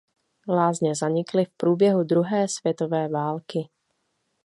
Lázně zanikly v průběhu druhé světové války.